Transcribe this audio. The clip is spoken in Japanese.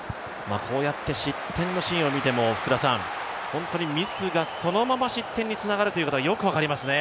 こうやって失点のシーンを見ても本当にミスがそのまま失点につながるということはよく分かりますね。